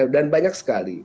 dan banyak sekali